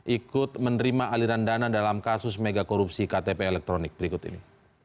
ikut menerima aliran dana dalam kasus mega korupsi ktp elektronik berikut ini